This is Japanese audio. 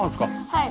はい。